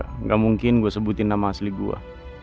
tidak mungkin saya sebutkan nama asli saya